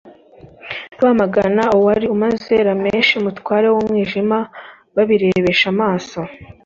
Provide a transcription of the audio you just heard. bamagana uwari umaze lamesha umutware w'umwijima babirebesha amaso,